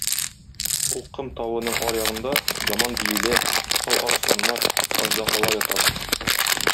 Ул ком тавының аръягында яман диюләр, усал арысланнар, аждаһалар яталар.